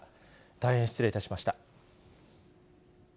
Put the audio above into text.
大変失礼いたしました。